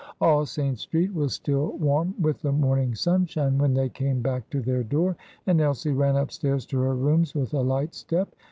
All Saints' Street was still warm with the morning sunshine when they came back to their door, and Elsie ran upstairs to her rooms with a light step.